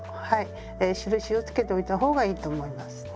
はい印をつけておいた方がいいと思います。